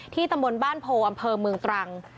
ตำบลบ้านโพอำเภอเมืองตรัง